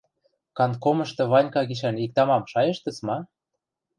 — Канткомышты Ванька гишӓн иктӓ-мам шайыштыц ма?